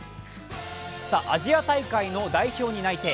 アジア大会の代表に内定。